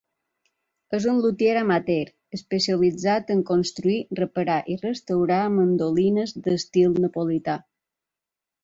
És un lutier amateur, especialitzat en construir, reparar i restaurar mandolines d'estil napolità.